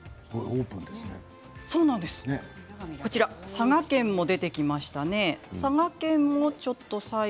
佐賀県も出てきましたね。